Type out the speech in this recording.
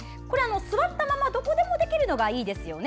座ったまま、どこでもできるのがいいですよね。